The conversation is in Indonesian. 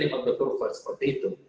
dan mengatur perubahan seperti itu